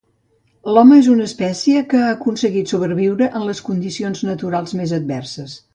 L'home és una espècie que ha aconseguit sobreviure en les condicions naturals més adverses.